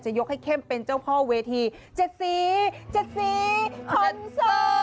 จะยกให้เข้มเป็นเจ้าพ่อเวทีเจ็ดสีคนเสิร์ฟ